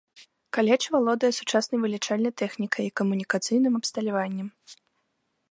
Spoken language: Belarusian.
Каледж валодае сучаснай вылічальнай тэхнікай і камунікацыйным абсталяваннем.